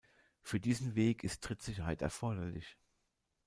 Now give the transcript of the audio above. Für diesen Weg ist Trittsicherheit erforderlich.